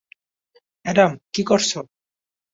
Adam, কী করছো?